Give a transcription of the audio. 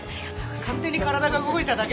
勝手に体が動いただけです。